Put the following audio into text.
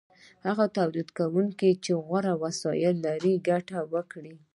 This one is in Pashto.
هغو تولیدونکو چې غوره وسایل لرل ګټه وکړه.